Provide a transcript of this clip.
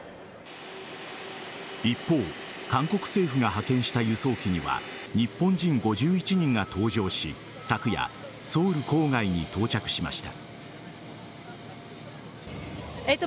一方、韓国政府が派遣した輸送機には日本人５１人が搭乗し昨夜、ソウル郊外に到着しました。